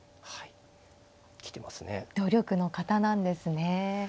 努力の方なんですね。